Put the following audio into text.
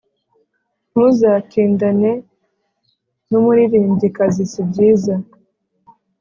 Ntuzatindane n’umuririmbyikazi sibyiza